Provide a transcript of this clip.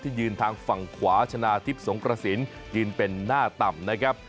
ยืนทางฝั่งขวาชนะทิพย์สงกระสินยืนเป็นหน้าต่ำนะครับ